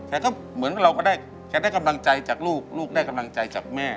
เหมือนเราก็ได้แกได้กำลังใจจากลูกลูกได้กำลังใจจากแม่